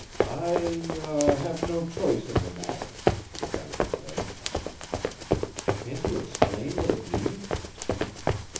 "I er have no choice in the matter," the banker said. "Can't you explain what it means?"